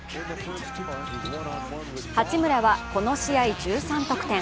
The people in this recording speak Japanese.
八村はこの試合１３得点。